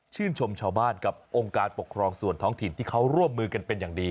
ชมชาวบ้านกับองค์การปกครองส่วนท้องถิ่นที่เขาร่วมมือกันเป็นอย่างดี